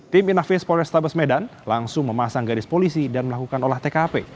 tim inafis polrestabes medan langsung memasang garis polisi dan melakukan olah tkp